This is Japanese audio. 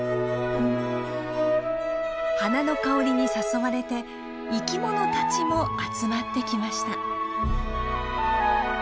花の香りに誘われて生きものたちも集まってきました。